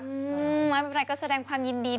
อืมวันพระนึกหาดก็แสดงความยินดีด้วยนะครับ